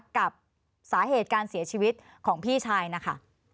กับสาเหตุการเสียชีวิตของพี่ชายนะคะ